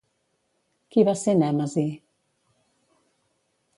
Qui va ser Nèmesi?